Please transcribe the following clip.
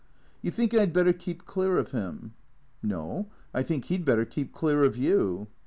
" You think I 'd better keep clear of him ?"" No. I think he 'd better keep clear of you."